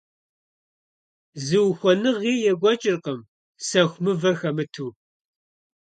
Зы ухуэныгъи екӀуэкӀыркъым сэху мывэр хэмыту.